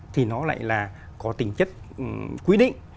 thì nó lại là có tính chất quy định